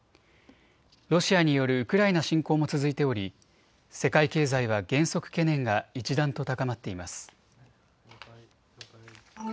ロシアによるウクライナ侵攻も続いており、世界経済は減速懸念が一段と高まっています。